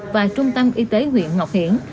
và trung tâm y tế nguyện ngọc hiển